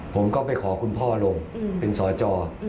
ผมก็ไปขอคุณพ่อลงเป็นสอจอ